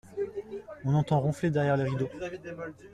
On entend ronfler derrière les rideaux.